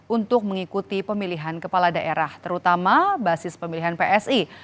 untuk mengikuti pemilihan kepala daerah terutama basis pemilihan psi